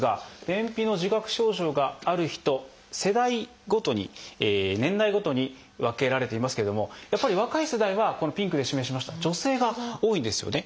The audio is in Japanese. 便秘の自覚症状がある人世代ごとに年代ごとに分けられていますけれどもやっぱり若い世代はこのピンクで示しました女性が多いんですよね。